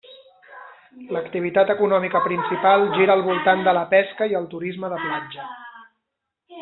L'activitat econòmica principal gira al voltant de la pesca i el turisme de platja.